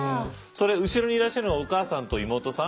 それ後ろにいらっしゃるのお母さんと妹さん？